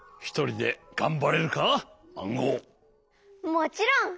もちろん。